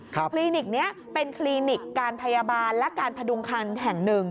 คลินิกนี้เป็นคลินิกการพยาบาลและการพดุงคันแห่งหนึ่ง